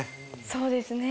そうですね。